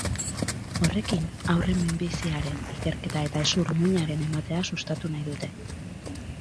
Horrekin, haurren minbiziaren ikerketa eta hezur-muinaren ematea sustatu nahi dute.